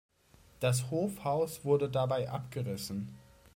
Das Hofhaus wurde dabei abgerissen.